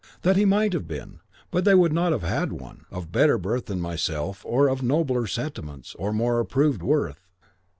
That he might have been; but they would not have had one (without arrogance, be it said) of better birth than myself, or of nobler sentiments or more approved worth.